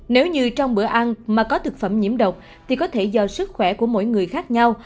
nếu như trong bữa ăn mà có thực phẩm nhiễm độc thì có thể do sức khỏe của mỗi người khác nhau